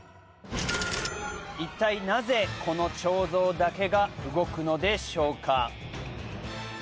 一体なぜこの彫像だけが動くのでしょうか？